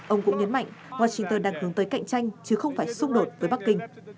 ông cũng nhấn mạnh washington đang hướng tới cạnh tranh chứ không phải xung đột với bắc kinh